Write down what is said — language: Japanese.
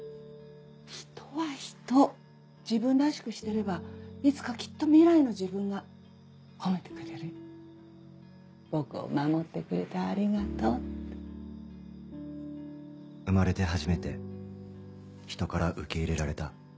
ひとはひと自分らしくしてればいつかきっと未来の自分が褒めてくれる「僕を守ってくれてありがとう」って生まれて初めてひとから受け入れられた。